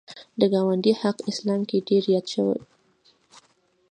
د ګاونډي حق اسلام کې ډېر یاد شوی